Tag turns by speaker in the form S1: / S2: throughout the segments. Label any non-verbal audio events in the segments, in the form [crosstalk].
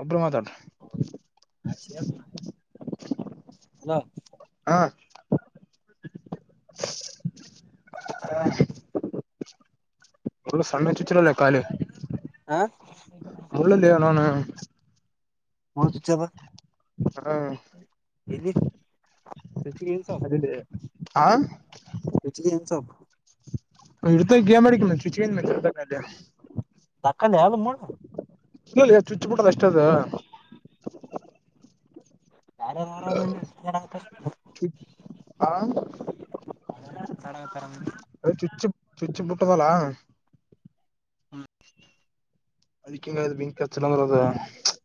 S1: ಒಬ್ಬರು ಮಾತಾಡ
S2: [inaudible] ಹಾ
S1: [unintelligible] ಹ [unintelligible] ಒಳ ಸಣಯ ಚುಚರಲ್ಲೇ ಕಾಲ.
S2: ಹ ಮುಳ್ಳು ಚುಚ್ಯದ.
S1: ಹಾ.
S2: ಚುಚ್ಚಿಗೆ ಏನ್ ಸೊಪ್
S1: [unintelligible] ಆ
S2: ಚುಚ್ಚಿಗೆ ಏನ್ ಸೊಪ್
S1: ಇಡ್ತ ಗೇ ಮಾಡ ಮಂತ್ ಏನ್ ಮ
S2: ದಧಕ್ಕಲಿ ಯಾವದುಮ್ಮ.
S1: ಇ ಚುಚ್ಚ ಬಿಟ್ಟದ ಅಷ್ಟ ಅದ.
S2: ನರತ್ತ.
S1: ಆ
S2: [unintelligible]
S1: ಚುಚ್ಚಿ ಬಿಟ್ಟವಲಾ
S2: ಹ್ಮ
S1: ಅದಕ್ಕಿಂಗ ಬೆಂಕ [unintelligible]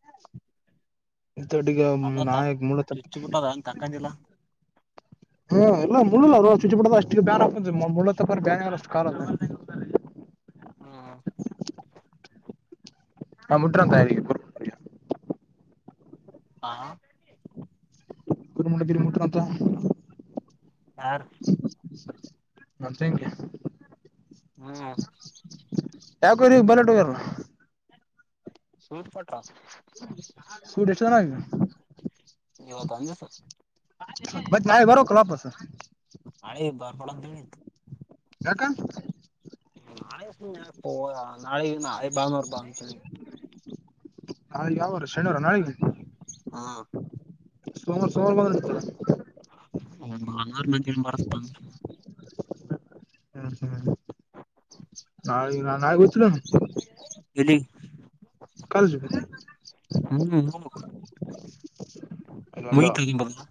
S1: ಇಟಗ
S2: ಅಲ್ಲ ತಕ್
S1: ನಾಯಕ್ ಮೂಡತ
S2: ಚುಚ್ಚಿ ಬಿಟ್ಟದ ಹಂಗ ತಕ್ಕಂದಿಲ್ಲ
S1: ಹ್ಮ ಎಲ್ಲ ಮುಳ್ಳಲ್ಲ ರೋ ಚುಚಿಪಡದ ಅಷ್ಟ ಬ್ಯಾನಿ ಮುಳ್ಳ ತಕೋರಿ ಬ್ಯಾನಿ ಅಷ್ಟು ಕಾಲದು [unintelligible]
S2: ಹ್ಮ್
S1: ಹಾ ಮು. [unintelligible]
S2: ಹಾ
S1: ಕಮಟಗಿರಿ ಮುಟ್ಟಂತ
S2: ಯಾರ್
S1: ನಂತ ಹೇಂಗೆ
S2: ಹ್ಮ್
S1: ಯಾಕೋ ಇ ಬಲೆಟಹೋಗರಾ
S2: ಸೂರ್ಪಟ್ಟ
S1: ಸೂಟ್ ಎಷ್ಟು ಜನ ಆಗಿದೆ
S2: [unintelligible]
S1: ಮತ್ತ ನಾವೆ ಬರೋಕಲ್ಲ [unintelligible]
S2: [unintelligible]
S1: ಯಾಕ
S2: ನಾಳಿಗಿ ನಾಳಿಗಿ ಬಾನೋಡ
S1: ನಾಳೆ ಯಾವಾರ ಶನಿವಾರ ನಾಳೆಗಿ
S2: ಹಾ
S1: ಸೋಮಾರ ಸೋಮವಾರ ಬಂದತ್ತು
S2: [unintelligible]
S1: ಹ್ಮ್ ಹ್ಮ್ [unintelligible]
S2: ಎಲ್ಲಿಗ
S1: ಕಾಲೇಜಿಗೆ
S2: ಹ್ಮ್ ಹ
S1: ಅಲ್ಲೊಂದು
S2: ಮುಗಿತಾದ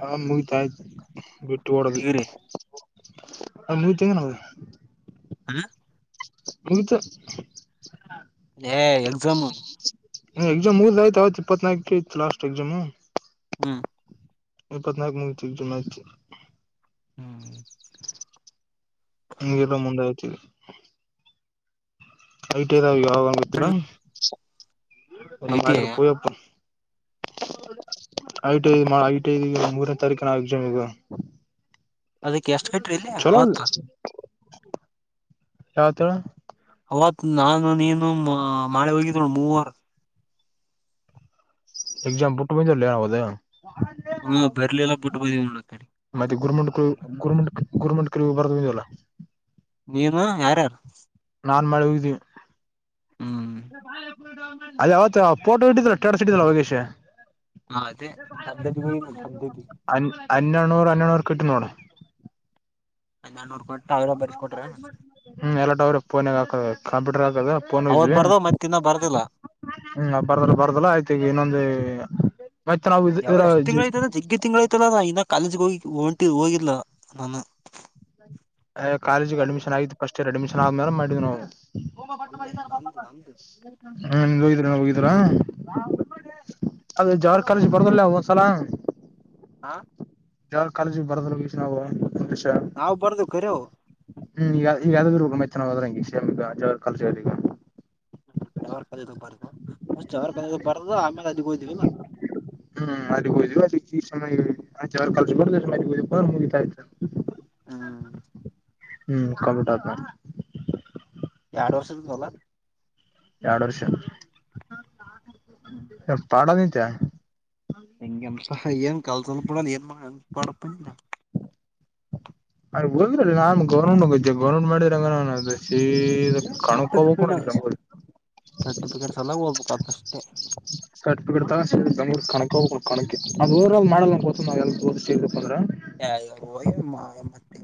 S1: ಹಾ ಮುಗಿತಾಯ್ ಬಿಟ್ಟು ಓಡದವಿ
S2: ಡಿಗ್ರಿ
S1: [unintelligible]
S2: ಹ
S1: [unintelligible]
S2: ಏ ಎಕ್ಸಾಮು
S1: ಎಕ್ಸಾಮ್ ಮುಗದ ಹೋಯ್ತ ಅವತ್ತ ಇಪ್ಪತ್ನಾಲ್ಕು ಇತ್ತು ಲಾಸ್ಟ್ ಎಕ್ಸಾಮ್
S2: ಹ್ಮ್
S1: ಈ ಇಪ್ಪತ್ನಾಲ್ಕು ಮೂಗತಿ [unintelligible]
S2: ಹ್ಮ್
S1: [unintelligible] ಐಟ್ ಇದಾವ ಯಾವಂಗತ್ರ ಎಲ್ಲ
S2: ಐ ಟಿ ಐ
S1: ಮಾಡ್ರ ಪೂಯಪ್ಪ ಹೌದು ಐಟ್ ಐದು ಐ ಐದಗ ಮೂರನೇ ತಾರೀಕು ನಾವ ಎಕ್ಸಾಮ್ ಈಗ
S2: ಅದಕ್ಕೆ ಎಷ್ಟ್ ಕಟ್ರಿ ಇಲ್ಲಿ
S1: ಚಲೋ
S2: ಅವತ್
S1: ಯಾವತ ಹೇಳು
S2: ಅವತ್ ನಾನು ನೀನು ಮಾಳೆ ಹೋಗಿದ ನೋಡ ಮೂವರ್
S1: ಎಕ್ಜಾಮ್ ಬೀಟ್ಟು ಬಂದವಲೇ
S2: ಹ್ಮ ಬರ್ಲಿಲ್ಲ ಬಿಟ್ಟು ಬಂದಿವ್ ನೋಡ ಕಡೆ ಎಷ್ಟ
S1: ಮತ್ತೆ ಗುರ್ಮುಂ
S2: ಕೊಡ್ಬೇಕಂತ
S1: ಕ
S2: ಅಂದ್ರ
S1: ಗುರ್ಮುಂ ಗುರ್ಮುಕ ಹೋಗವ್ರ ಅದಿವಲ್ಲಾ ಹ
S2: ನೀನು ಯಾರ ಯಾರು
S1: ನಾನ್ ಮಾಳಾಹೋಗಿದೀವಿ
S2: ಹ್ಮ್
S1: ಅದೇ ಯಾವತ್ತ ಫೋಟೋ ಇಟ್ಟಿದ್ರ ಟ್ಯಾಡಸ್ ಇಟ್ಟಿದಲ್ಲ ಒಗೇಶ
S2: ಹ ಅದೇ ಹಬ್ದದಿ ಹಬ್ದದಿ
S1: ಅನ್ನಡಣ್ಣೂರು ಅನ್ನಡಣ್ಣೂರ್ ಕಟ್ಟಿ ನೋಡ
S2: [unintelligible] ನೋಡ್ಕೊಂಡ
S1: ಹ್ಮ ಎಲ್ಲಟ ಅವ್ರ ಫೋನಾಗ ಹಾಕ ಕಂಪ್ಯೂಟರ್ ದ
S2: ಅವತ್
S1: ಪಫೋನ್ೋಯಿದ್ವಿ
S2: ಬರ್ದ ಮತ್ತ ಇನ್ನ ಬರ್ದಿಲ್ಲ
S1: ಹ್ಮ್ ಬರ್ದಲ್ಲ ಬರ್ದಲ್ಲ ಆಯ್ತ ಈಗ ಇನ್ನೊಂದು ಮತ್ತೆ ನಾವು
S2: ಯಾವ
S1: ಇದರ
S2: ಎಷ್ಟ ತಿಂಗಳ ಐತದ ಜಗ್ಿ ತಿಂಗಳ ಐತಲ್ಲ ನಾ ಇನ್ನ ಕಾಲಿ ಹ ಹೊಂಟ ಹೋಗಿಲ್ಲ ನಾನು
S1: ಹ ಕಾಲೇಜಿಗೆ
S2: ಅವಾಗ
S1: ಅ್ಮಿಷನ್
S2: ಏನು
S1: ಆಗ್ ಸ್ಟ್ಯರ್ ಅಡ್ಮಿಷನ್ ಆದ್ಮೇಲೆ ಮಾಡ್ ನಾವು
S2: ಅಲ್ಲೇ ನಮ್ದು ನಮ್ದು
S1: ಹಾ ನಿ ಹೋಗಿದೀ್ರ ಹೋಗಿದೀರಾ ಅದ ಜವಾರ್ ಕಾಲಜ್ ಬರ್ದಲ್ಲ ಒಂದ್ಸಲ
S2: ಹ
S1: ಯಾವ ಕಾಲಜಿಗೆ ಬರದಲ್ ವಿೀಷಾವು
S2: ನಾವವು್ ಬರ್ದು ಕರವು
S1: ಹ್ಮ್ ಈಗ ಈಗ ಯ ಇ ಮೈ ಚನ ಹದ್ರ ಹಗ ಶಾಮಗ ಜ ಕಾ ಈಗ
S2: ಹ್ಮ ಚಾವರ್ ಕದದ ಬರ್ದು ಮ ಚಾವರ್ ಕಾಯ ಬಾರದು ಆಮೇಲೆ ಅದಿೋಯ್ದಿವವಿಲ್ಲ
S1: ಹ್ಮ್ ಮದ ಹೋದ್ವಿ ಅದಕ್ಕೆ ಈಯ ಕಲ್ಸ ಮುಗ ಆ್ತ
S2: ಹ್ಮ್
S1: ಹ್ಮ್ ಕಪಿಟ
S2: ಎರಡು ವರ್ಷ ಮಲ್ಲ
S1: ಎರಡು ವರ್ಷ ಪಾಡ ನಿತ್ಯ
S2: ಹೆಂಗಸಹ ಏನ್ ಕಲ್ಸನ್ನಪಡ ಏನ್ ಪಡ ಪನ್ನಿಲ್ಲ
S1: ಅ ಹೋಗ್ರ ನಾನ್ ಗೌರ್ಮೆಂಟ್ ಗೌರ್ಮೆಂಟ್ ಮಾಡಿದ್ರಂಗ ನ ಅ ಸ ಕಾಣು ಕೋಗ ಕನ
S2: ಸರ್ಟಿಫಿಕೇಟ್
S1: ಅಲ್ಲಿ ತ
S2: ಸರ್ಟಿಫಿಕೇಟ್ ಸಲ ಹೋಗ್ಬೇಕತ್ ಅಷ್ಟೇ
S1: ಸರ್ಟಿಫಿಕೇಟ್ ತ ಬೆಂಗ್ೂ ಕಕ ಹ ಕಕಕ್ಕೆ ಅದು ಮಾಡ ಗ ನಾವೇಳ
S2: ಯಮ್ಮ ಮತ್ತೆ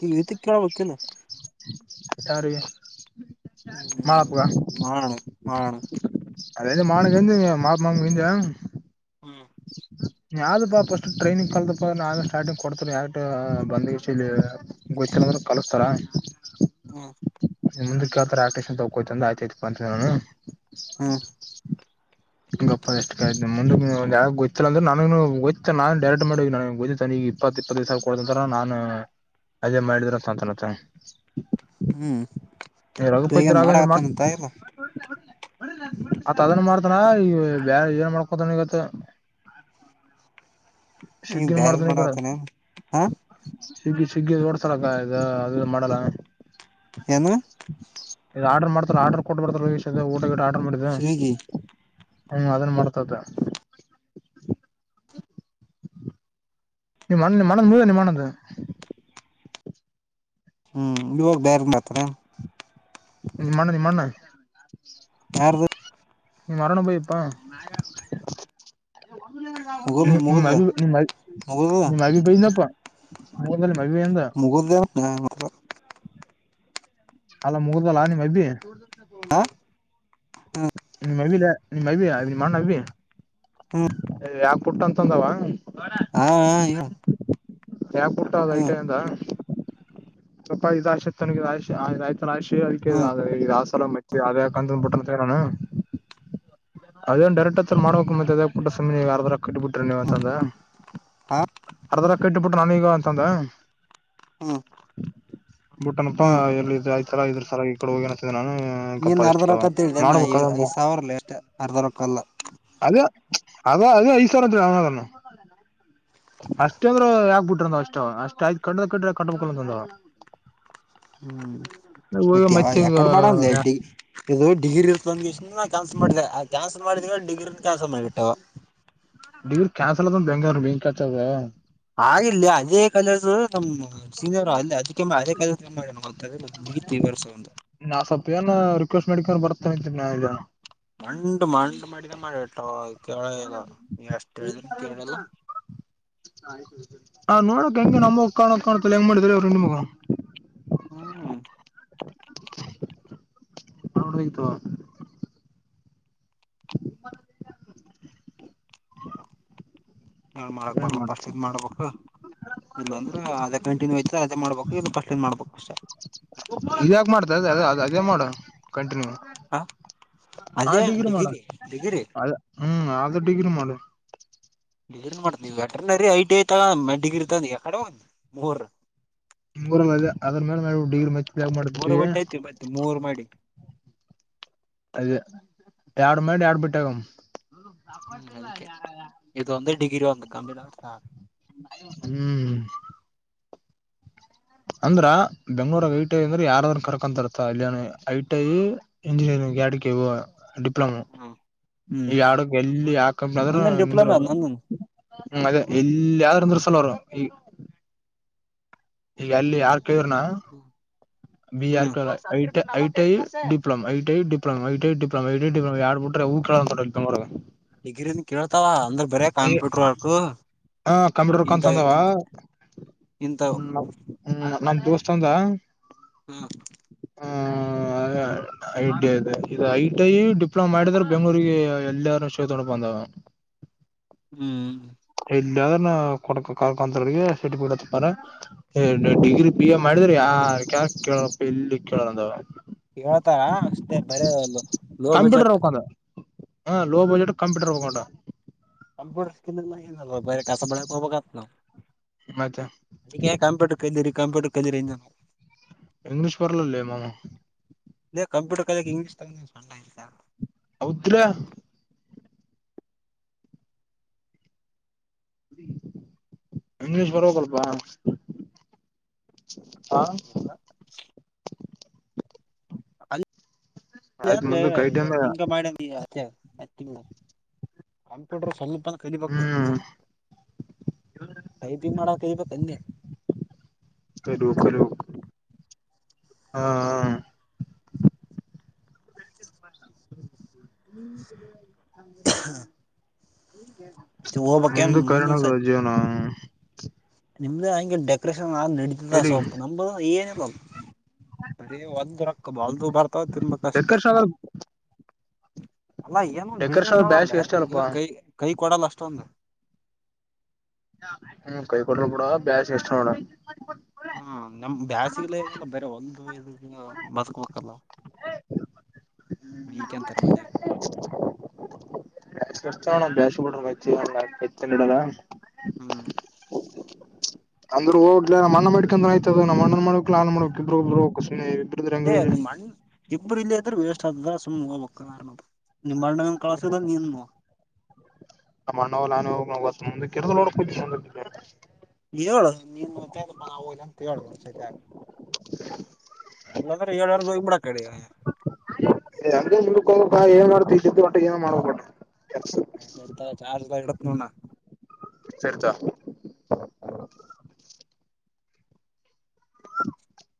S2: ಕೇಳಕನು
S1: ಯಿಗೆ
S2: ಹ್ಮ ಮಾಡಾರಣ ಮಾಡಾರಣ
S1: ಅದ ಮಾಾನು ಕಂದ ಮಾಪಮ್ಮಮ ಕಂದ
S2: ಹ್ಮ್
S1: ಫಸ್ಟ್ ಟ್ರೈನಿಂಗ್ ಕಲ್ದಪ್ಪ ನಾವ ಸ್ಟಾರ್ಟಿಂಗ್ ಕೊಡ್ತಾರ ಯಕ ಬಂದ ಗೊ್ಂದ ಕಲಿಸಸ್ತಾರ ಹ
S2: ಹ್ಮ್
S1: ಮು ಕೇಳ್ತ ತಗೋಯತಂದ ಆಯ್ತಾಯತ್ ಬಂತ ನಾನು
S2: ಹ್ಮ್
S1: ಗೊಪ್ಪ ಎಷ್ಟುಾಯ ಮು ಯ ಗೊತ್ತ ಇ ಅಂದ್ರೆ ನನಯ್ತ ನಾನ್ ಡೈರೆಕ್ಟ್ ಮಾಡ ನನ್ತಗ ಇಪ್ಪತ್ ಇಪ್ಪತ್ತೈದು ಸಾವಿರ ಕೊಡತಂತ ನಾನು ಅದೇ ಮಾಡಿದ್ರ ಸಾತಾನತ್ತ
S2: ಹ್ಮ್
S1: ರಘುಪತಿ
S2: ಬೇಗನ್
S1: ರಾಘವಂದ್ರ ಮಾಡ
S2: ಮಾಡಾಕತ್ತಾನಂತ ಇಲ್ಲ
S1: ಅತ್ ಅದನ್ ಮಾಡ್ತಾನ ಈ ಬ ಏನ್ ಮಾಡ್ಕೊತನ್ಗತ್ತ
S2: ಈಗ
S1: ಸಿಗ್ಗನ್
S2: ಬ್ಯಾರ
S1: ಮಾಡ್ದನೆ ಈ ಕಡೆ
S2: ಮಾಡತಾನ ಹಾ
S1: ಶಗ್ಗಿ ಶಗ್ಗಿ ಓಡ್ಸಲಕ್ಕ ಇ ಅದು ಮಾಡಲ್ಲ
S2: ಏನು
S1: ಇ ಆರ್ಡರ್ ಮಾಡ್ತಾರ ಆರ್ಡರ್ ಕೊಟ್ಟ ಬರ್ತಾರ ಊಟ ಆರ್ಡರ್ ಮಾಡಿದ್ದ
S2: ಸ್ವಿಗಿ
S1: ಹ್ಮ ಅದನ್ನ ಮಾಡ್ತ್ದ ನಿಣ್ಣ ನಿ ಮಣದ ಮುದ ನಿ ಮಣಂದು
S2: ಹ್ಮ್ ಇವಾಗ ಬೇರೆ ಮಾತಾರ
S1: ನಿಮ್ಮ ಅಣ್ಣ ನಿಮ್ಮಣ್ಣ
S2: ಯ
S1: ನೀ ಮರರಣಬಯಪ್ಪಾ ನೀ
S2: ಮುಗದ
S1: ನಿ
S2: ಮುಗದ
S1: ನಿ್ ನಿಮ್ಮ್ ಬನಪ್ಪ
S2: ಮುಗುಲ್ದೇವ ನ
S1: ಅಲ್ಲ ಮುಗುದಲ್ಲ ನಿಮ್ಮ್ ಅಬಿ
S2: ಹಾ
S1: ನಿಮ್ ಮವಿ ನಿಮ್ ಮೈವಿ ಅವ ಮಾಡ ನಿ
S2: ಹ್ಮ್
S1: ಯಾಕ ಪುಟ್ಟ ಅಂತಂದಾವ
S2: ಹಾ
S1: ಯಾಕ ಹುಟ್ಟದ ಐಟ
S2: ಹ್ಮ್ ಹ್ಮ್
S1: ಎಂದ ಸ್ವಪ ಇದಾಶ ತ ರಾಿ ರತನ ರಾಶಿ
S2: ಹ್ಮ್
S1: ಅದ್ರ ಈದು ಆ ಸಲ ಮೆಚ್ಚಿ ಅದಂದ ಬಿುಟ್ಟಂತ ಹಣ ಅದೇನ್ ಡೈರೆಕ್ಟ್ ಹತ್ತತ್ರರ ಮಾಡಕಕ್ ಮತ್ತೆ ಅದ ಪುಟ್ಟ ಸಮಿ ಯಾರರ ಕಟ್ಟಬಿಟ್ರಿ ನೀವ
S2: ಹ್ಮ್
S1: ಅಂತಂದ
S2: ಹಾ
S1: ಅರ್ಧಲ್ಲಕ್ಕ ಇಟ್ಟಬಿಟ್ರೆ ನಾನೀಗ ಅಂತಂದ
S2: ಹ್ಮ್
S1: ಬುಟ್ಟನಪ್ಪಾ
S2: ಹ್ಮ್
S1: ಎಲ್ಲ ಇದ್ ತರ ಇದ್ರ ತರ ಈ ಕಡೆ ಹೋಗಿ ನತಿದ್ದ ನಾನು ಹ್ಮ
S2: ನೀನ್ ಅರ್ಧ
S1: ಕಪ್ಪಷ್ಟ
S2: ರೊಕ್ಕ ಅಂತ ಹೇಳಿದೆ
S1: ಮಾಡ್ಬೇಕದ ಒಬ್ಬ
S2: ಐದ್ ಸಾವಿರಲ್ಲ ಎಷ್ಟ ಅರ್ಧ ರೊಕ್ಕ ಅಲ್ಲ
S1: ಅದ ಅದ ಅದ ಐ ಸಾವಿರ ಅಂತ ಅವನನು ಅಷ್ಟ ಅಂದ್ರ ಯಾಗ್ ಬಿಟ್ರಂದ್ ಅಷ್ಟ್ ಅಷ್ಟ್ ಆಯ್ ಕ ಕ್ರ ಕಟ್ಟಬೇಕಂದವು ಹೋಗಿ ಮತ್ತೆ ಈಗ
S2: ಎಕಡೆ ಮಾಡನ್ ಡ್ಡಿ ಇ ಡಿಗ್ರಿ ಇ ಬಂದ ನಾ ಕ್ಯಾನ್ಲ್ ಮಾಡಿದೆೆ ಆ ಕ್ಯಾನ್ಸಲ್ ಮಾಡಿದ ಡಿಗ್ರಿ ಕ್ಯಾನ್ಸಲ್ ಮಾಡಿಟ್ಟೆ
S1: ಡಿಗ್ರಿ ಕ್ಯಾನ್ಸಲ್ ಅದಂದು ಬೆಂಗೂರು ಮೀನ್ ಕಚದ
S2: ಆಗಿಲ್ಲ ಅದೇ ಕಲಸು ನಮ್ಮ್ ಸೀನಿಯರ್ ಅಲ್ಲಿ ಅದಕ್ಕೆಮ್ಮ ಅದೇ ಕಾಲದೆತಿವಸ ಒಂದು
S1: ನಾ ಸ್ವಪಏನ ರಿಕ್ವೆಸ್ಟ್ ಮಾಡಿಕಕೊಂಡು ಬರ್ತೇತ್ರಿ ನ ಜನ
S2: ಮಂಡು ಮಂಡು ಮಾಡಿದ ಮಾಡ ಕೇಳಿಲ್ಲ ಎಷ್ಟ್ ಹೇಳಿದ್ರಿ ಕೇಳಿಲ್ಲ
S1: ಹ ನೋಡಕ್ ಹೆಂಗಗೆ ನಮಗ್ ಕಾಣಕ್ ಕಾಣತ್ತ ಹೆಂಗ್ ಮಾಡಿದ್ರ ಅವರು ಹೆಂಡ ಮಗ
S2: ಹ್ಮ್
S1: ಹೋಡ್ೋಗತವಾ
S2: ಏ ಮಾಡಕ್
S1: ಏನ್
S2: ಬರ್ಲ
S1: ಮಾಡ
S2: ಪಫಸ್ಟ್ ಇದ್ ಮಾಡ್ಬೇಕಕ್ ಇಲ್ಲ ಅಂದ್ರೆ ಅದೇ ಕಂಟಿನ್ಯೂ ಐ್ ಅದೇ ಮಾಡ್ಬೇಕು ಇ ಕಷ್ಟನ್ ಮಾಡ್ಬೇಕು ಅಷ್ಟೆ
S1: ಇದ ಯಾಕ ಮಾಡ್ತ ಅ ಅ ಅದೇ ಮಾಡ ಕಂಟಿನ್ಯೂ
S2: ಹ
S1: ಆ
S2: ಅದೇ
S1: ಡಿಗ್ರಿ ಮಾಡ
S2: ಡಿಗ್ರಿ
S1: ಅ ಹ್ಮ್ ಆದದು ಡಿಗ್ರಿ ಮಾಡು
S2: ನ್ ಮಾಡ ನೀ ವೆಟರ್ನರಿ ಐ ಟಿ ಐತ ಡಿಗ್ರಿಡೆ ಮೂರ
S1: ಮೂರಲ್ಲ ಇದೆ ಅದ್ರ ಮೇಲೆ ನ ಡಿಗ್ರಿ ಮ
S2: ಮೂರು ಬಟ್ಟೆ ಐತಿ ಮತ್ತೆ ಮೂರ್ ಮಾಡಿ
S1: ಅದ ಎಡು ಮೇಡಿ ಎರಡು ಬಿಟ್ಟಾಗ
S2: ಹ್ಮ್ ಅದಕ್ಕೆ ಇದು ಒಂದ ಡಗ್ರಿ ಅಂದು ಕಂಪ್ಲೀಟ್ ಆ
S1: ಹ್ಮ್ ಅಂದ್ರ ಬೆಂಗ್ಳೂರ್ಗ್ ಐಟಿಐ ಅಂದ್ರೆ ಯಾರಾದ್ರ ಕರ್ಕಂತತ ಇಲ್ಲಿ ಐ ಟಿ ಐ ಇಂಜಿನಿಯರಿಂಗ್ ಗಾಡ್ಕವ ಡಿಪ್ಲೊಮ
S2: ಹ್ಮ್ ಹ್ಮ್
S1: ಈಗ ಆಡಕ್ ಎಲ್ಲಿ ಯಾಕಂಬಾದ್ರೂ
S2: ನಂದನ್ ಡಿಪ್ಲೊಮೆ
S1: ನಿಂದ್ರಾಗ
S2: ಅದ್ ನಂದನ್
S1: ಹ್ಮ್ ಅದೇ ಎಲ್ಲಯ್ದ್ರ ಅಂದ್ರ ಸಲರು ಈ ಈಗ ಅಲ್ಲಿ ಯಾರ್ ಕೇಳ್ರನಾ ಬಿ ಯಾರ್
S2: ಹ್ಮ್
S1: ಕ I T I ITI diploma ITI diploma ITI diploma ಐ ಪ್ಲಮ ಯಾರ್ ಬಿಟ್ರೆಊ
S2: ಡಿಗ್ರಿ ದ ಕೇಳ್ತಾವ ಅಂದ್ರ ಬರೇ ಕಾಂಪ್ಯೂಟರ್ ವರ್ಕ್
S1: ಹ ಕಂಪ್ಯೂಟರ್
S2: ಇಂತ
S1: ಕಲ್ತವ ಅಂದಾವ
S2: ಇಂತ
S1: ಹ್ಮ್ ಹ್ಮ್ ನಮ ದೋಸ್ತ ಅದ
S2: ಹಾ
S1: ಹ್ಮ ಐ ಟಿ ಇದೆ ಇದು ಐ ಟಿ ಡಿಪ್ಲೊಮಾ ಮಾಡಿದ್ರ ಬೆಂಗಗಳೂರಿಗೆ ಎಲ್ಲಾರು ಶ ತೊಂಡ ಬಂದವ
S2: ಹ್ಮ್
S1: ಇಲ್ಲಿದ ಕೊ ಕಕಾಂತರಿಗೆ ಡಿಗ್ರಿ ಬಿ ಎ ಮಾಡಿದ್ರ ಯ ಹಾ ಕ ಕೇಳೋಪ್ಪ ಇಲ್ಲಿ ಕೇಳದ
S2: ಹೇಳ್ತಾರಾ ಅಷ್ಟೇ ಬರಲ್ಲ ಲೋ ಬಜೆಟ್
S1: ಹಾಂ ಲೋ ಬಡ್ಜೆಟ್ ಕಂಪೂಟರ್ ಹಕ್ಕಂಟ
S2: ಕಂಪ್ಯೂಟರ್ ಸ್ಕ ನ ಬರ ಕಸ ಮ ಬತ್ ನ
S1: ಮತ್ತೆ
S2: ಅ ಕಂಪ್ಯೂಟರ್ ಕಲಿರಿ ಕಂಪ್ಯೂಟರ್ ಕಲಿರಿ.
S1: ಇಂಗ್ಲಿಷ್ ಬರಲಲ್ಲೇ ಮಮ್ಮ.
S2: ಕಂಪ್ಯೂಟರ್ ಇಂಗ್ಲೀಷ್ ತ.
S1: ಹೋದ್ರ. ಇಂಗ್ಲಿಷ್ ಬರಬೇಕು ಲಪ್ಪಾ.
S2: ಇಲ್ ಅ
S1: ಆಯ್ತ್ ಮುಂದಕ್
S2: ಅಂದ
S1: ಐಟಮ
S2: ನಿಂಗ ಮಾಡ. ಕಂಪ್ಯೂಟರ್ನಲ್ಲಿ. ಕಲಿಬೇಕ
S1: ಹ್ಮ್ ಕಲಿಬೇಕು ಕಲಿಬೇಕು ಹಾ ಹಾ. ನೀ
S2: ಹಾ
S1: ಮುಂದು
S2: ಮುಂದಿನ
S1: ಕಲಿದ ಜೀವನ.
S2: ನಿಮ್ದೇ ಹಂಗೆ ಡೆಕೋರೇಷನ್ ಆದ ನಡತಿದ್ದ
S1: ಎಲ್ಲಿ
S2: ಸೊಪು ನಂಬ ಏನ ಇಲ. ಅರಿ ಒಂದ ರೊಕ್ಕ ಬಲ್ದು ಬರ್ತಾವ ತುಂಬಾ ಕಷ್ಟೆ.
S1: ಡೆಕರ್ಷನ್
S2: ಅಲ್ಲಾ ಏನೊಂದ ಬಿಸ್ನೆಸ್
S1: ಡೆಕರ್ಷನ್ ಬ್ಯಾಸ್ ಎಷ್ಟ ಅಲ್ಪ
S2: ಆಲ್ಲಗ ಕೈ ಕೈ ಕೊಡಲ್ಲ ಅಷ್ಟೊಂದು.
S1: ಹ್ಮ ಕೈ ಕೊಟ್ರರು ಕೂಡ ಬ್ಯಾಸ ಎಷ್ಟ ನೋಡ.
S2: ಹ್ಮ ನಮ್ ಬ್ಯಾಸಿಗ್ಲಲ್ಲ ಬರ ಒಂದು ಇದ ಬದುಕಬೇಕಲ್ಲ. ವಿಕನ್ ತರ್ಮನ.
S1: ಅಣ್ಣ ಬೇಷ ಬಿಡ್ರಡದ
S2: ಹ್ಮ್
S1: ಅಂದ್ರರು ಹೋಗ್ ನ ಅ್ಣ ಮಾಡಕಂದ್ರ ಆಯ್ತದ ನ ಅಣ್ಣ ಮಾಡಕ್ ನಾನ್ ಮಾಡಕ್ ಇದ್ರರುಬ್ ಹೋಗ. ಇಬ್ಬರು [unintelligible]
S2: ಇಬ್ಬರು ಇಲ್ಲೇ ಇದ್ದೀರಾ ವೇಸ್ಟ್ ಆದದ ಸುಮ ಹವ್ ಆರ ನಿಮ್ ಅಣ್ಣ ಕಳಸ ನೀನ್ ನೋ
S1: ನ ಮಣ್ಣೋಲ್ಲಾನ ಮು ಕೆ [unintelligible]
S2: ಹೇಳ ನೀ ಅಂತ ಹೇಳಬ ಸೈ ಆ.
S1: [unintelligible]
S2: ಅಲ್ಲಾದ ಎಏಾರ ದ [unintelligible]
S1: ಅಂಗ ಮುಂದ ಹೋಗಬೇಕ ಏನ್ ಮಾಡ್ತ ಇದಿದ್ದು ಒಟ್ಟ ಏನೋ ಮಾಡ್ಬೇಕಕ್ಟ.
S2: ಚಾರ್ಜ್ ಇಲ್ಲ ಇದತನೊಡ
S1: ಸರಿ ತೋ.
S2: ಹ್ಮ
S1: ಹ.